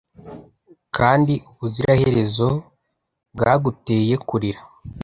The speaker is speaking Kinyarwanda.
kandi ubuziraherezo bwaguteye kurira